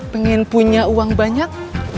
pengen punya uang banyak